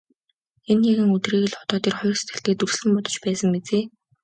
Энэ нэгэн өдрийг л одоо тэр хоёр сэтгэлдээ дүрслэн бодож байсан биз ээ.